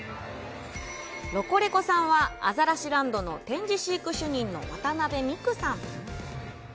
ロコレコさんはアザラシランドの展示飼育主任の渡辺美玖さん。